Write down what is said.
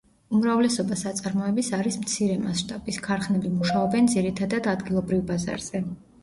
უმრავლესობა საწარმოების არის მცირე მასშტაბის, ქარხნები მუშაობენ ძირითადად ადგილობრივ ბაზარზე.